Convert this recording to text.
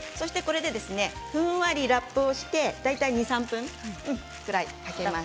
ふんわりラップをして大体２、３分ぐらいかけます。